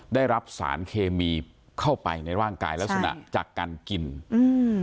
ได้รับสารเคมีเข้าไปในร่างกายลักษณะจากการกินอืม